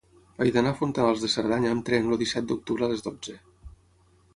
He d'anar a Fontanals de Cerdanya amb tren el disset d'octubre a les dotze.